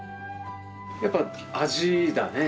やっぱ味だね。